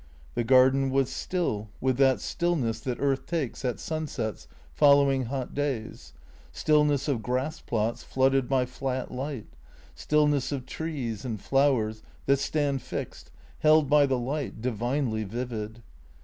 The garden was still, with that stillness that earth takes at sunsets following hot days ; stillness of grass plots flooded by flat light; stillness of trees and flowers that stand fixed, held by the light, divinely vivid.